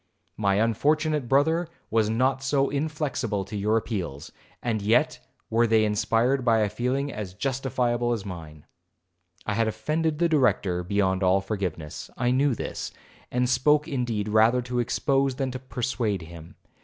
My unfortunate brother was not so inflexible to your appeals, and yet were they inspired by a feeling as justifiable as mine.' I had offended the Director beyond all forgiveness. I knew this, and spoke indeed rather to expose than to persuade him.